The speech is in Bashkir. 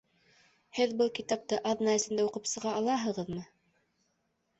Һеҙ был китапты аҙна эсендә уҡып сыға алаһығыҙмы?